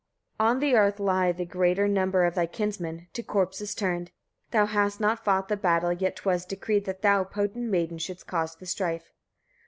26. On the earth lie the greater number of thy kinsmen, to corpses turned. Thou hast not fought the battle, yet 'twas decreed, that thou, potent maiden! shouldst cause the strife.